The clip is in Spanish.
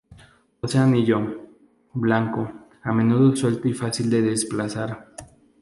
Posee anillo, blanco, a menudo suelto y fácil de desplazar.